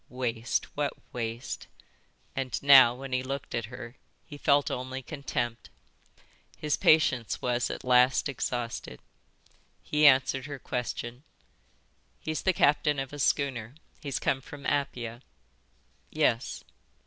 Waste, what waste! And now, when he looked at her, he felt only contempt. His patience was at last exhausted. He answered her question. "He's the captain of a schooner. He's come from Apia." "Yes."